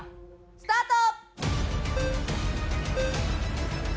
スタート！